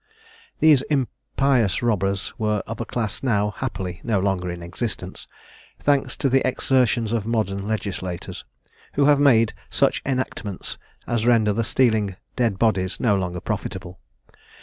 These impious robbers were of a class now, happily, no longer in existence, thanks to the exertions of modern legislators, who have made such enactments as render the stealing dead bodies no longer profitable.